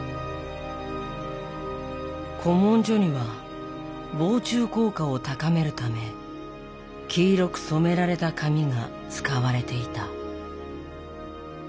古文書には防虫効果を高めるため黄色く染められた紙が使われていた。